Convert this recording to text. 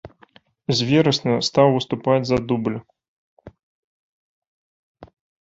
З верасня стаў выступаць за дубль.